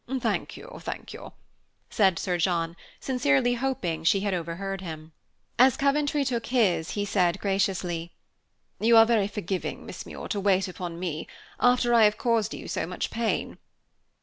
"Thank you, thank you," said Sir John, sincerely hoping she had overheard him. As Coventry took his, he said graciously, "You are very forgiving, Miss Muir, to wait upon me, after I have caused you so much pain."